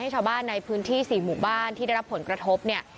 ชาวบ้านในพื้นที่๔หมู่บ้านที่ได้รับผลกระทบเนี่ย